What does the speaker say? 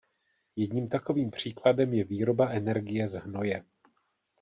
Jedním takovým příkladem je výroba energie z hnoje.